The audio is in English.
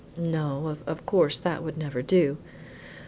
"No, of course that would never do."